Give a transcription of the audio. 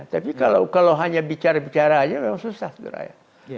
tapi kalau hanya bicara bicara aja memang susah sebenarnya